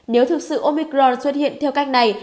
nếu thực sự omicron xuất hiện theo cách này